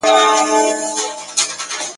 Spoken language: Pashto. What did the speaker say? د سپي محتاج ..